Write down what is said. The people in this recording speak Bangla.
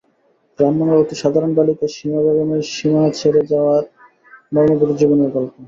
গ্রামবাংলার অতি সাধারণ বালিকা সীমা বেগমের সীমানা ছেড়ে যাওয়ার মর্মভেদী জীবনের গল্প।